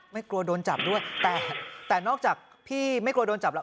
ไม่กลัวโดนจับด้วยแต่นอกจากพี่ไม่กลัวโดนจับแล้ว